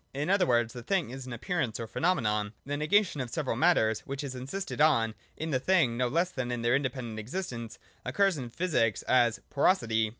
In other words, the thing is an Appearance or Phenomenon. The negation of the several matters, which is insisted on in the thing no less than their independent existence, occurs in Physics as porosity.